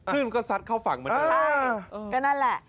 ขึ้นก็ซัดเข้าฝั่งเหมือนกันใช่ก็นั่นแหละ